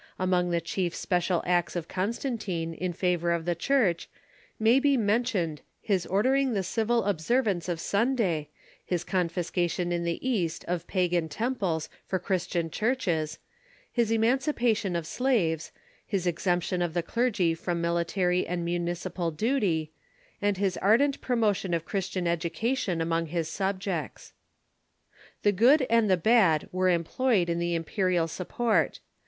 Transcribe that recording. Among the chief special acts of Con stantine in favor of the Church may be mentioned his order ing the civil observance of Sunday, his confiscation in the East of^'pagan temples for Christian churches, his emancipation of slaves' his exemption of the clergy from military ana munici pal duty, and his ardent promotion of Christian education among his subjects. The good and the bad were employed in the imperial sup port.